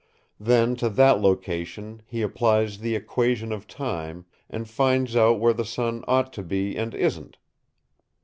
Then to that location he applies the Equation of Time and finds out where the sun ought to be and isn't.